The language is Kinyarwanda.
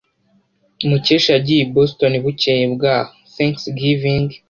Mukesha yagiye i Boston bukeye bwaho Thanksgiving.